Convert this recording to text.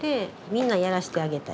みんなやらしてあげたい。